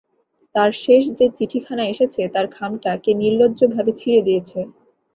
তাঁর শেষ যে চিঠিখানা এসেছে, তার খামটা কে নির্লজ্জভাবে ছিঁড়ে দিয়েছে।